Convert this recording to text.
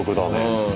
うん？